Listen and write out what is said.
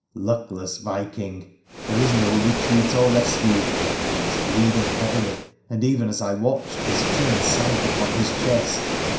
Luckless Viking ! there is no retreat or rescue ! He was bleeding heavily, and even as I watched his chin sank upon his chest.